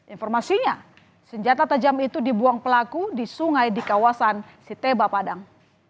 informasinya senjata tajam itu dibuang pelaku di sungai di kawasan siteba padang